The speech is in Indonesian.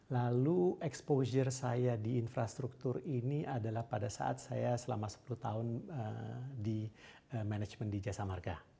lalu exposure saya di infrastruktur ini adalah pada saat saya selama sepuluh tahun di management di jasa marga